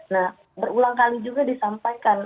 nah berulang kali juga disampaikan